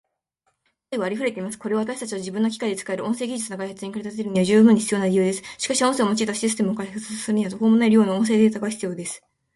声はありふれています。これは私たちを自分の機械で使える音声技術の開発に駆り立てるには十分に必要な理由です。しかし、音声を用いたシステムを開発するには途方もない量の音声データが必要です。